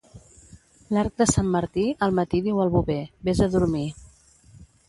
L'arc de sant Martí al matí diu al bover: —Ves a dormir.